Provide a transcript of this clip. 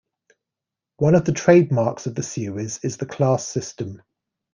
One of the trademarks of the series is the class system.